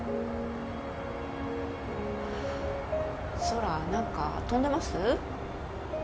・空何か飛んでます？